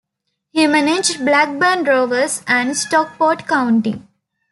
He managed Blackburn Rovers and Stockport County.